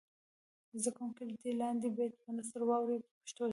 زده کوونکي دې لاندې بیت په نثر واړوي په پښتو ژبه.